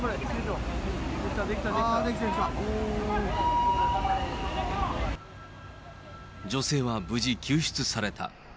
できた、女性は無事救出された。